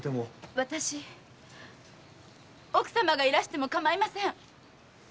あたし奥様がいらしてもかまいません。